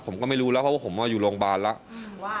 ผมก็ไม่รู้แล้วเพราะว่าผมมาอยู่โรงพยาบาลแล้ว